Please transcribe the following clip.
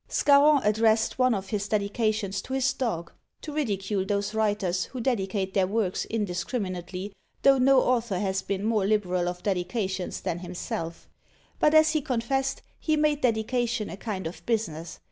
Scarron addressed one of his dedications to his dog, to ridicule those writers who dedicate their works indiscriminately, though no author has been more liberal of dedications than himself; but, as he confessed, he made dedication a kind of business.